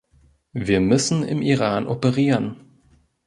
Wir müssen im Iran operieren.